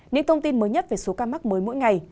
những thông tin mới nhất về số ca mắc mới mỗi ngày